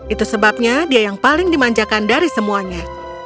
itu sebabnya dia yang paling dimanjakan dari semuanya